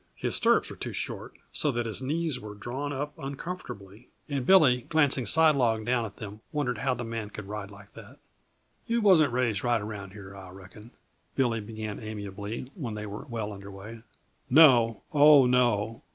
His stirrups were too short, so that his knees were drawn up uncomfortably, and Billy, glancing sidelong down at them, wondered how the man could ride like that. "You wasn't raised right around here, I reckon," Billy began amiably, when they were well under way. "No oh, no.